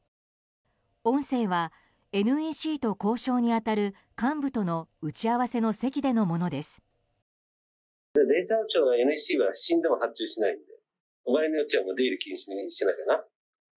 音声はＮＥＣと交渉に当たる幹部との打ち合わせの席でのものです。